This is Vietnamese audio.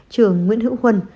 trường nguyễn hữu huân